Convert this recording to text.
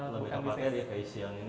lebih tepatnya di fashion